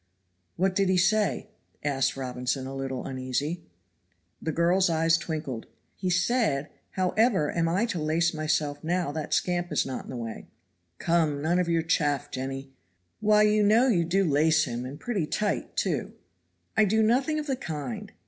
"What did he say?" asked Robinson, a little uneasy. The girl's eyes twinkled. "He said, 'How ever am I to lace myself now that scamp is not in the way?'" "Come, none of your chaff, Jenny." "Why you know you do lace him, and pretty tight, too." "I do nothing of the kind."